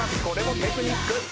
これもテクニック。